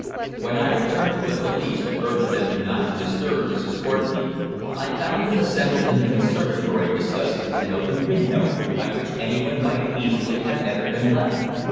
When I returned to the police to urge them not to disturb Mrs. Courtenay, I found them assembled in the conservatory discussing an open window, by which anyone might easily have entered and left.